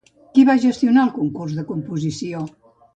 Qui va gestionar el concurs de composició?